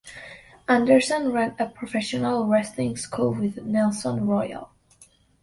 Anderson ran a professional wrestling school with Nelson Royal.